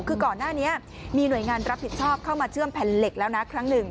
คือก่อนหน้านี้มีหน่วยงานรับผิดชอบเข้ามาเชื่อมแผ่นเหล็กแล้วนะครั้งหนึ่ง